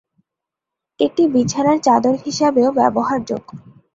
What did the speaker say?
এটি বিছানার চাদর হিসাবেও ব্যবহারযোগ্য।